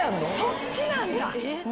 そっちなんだ。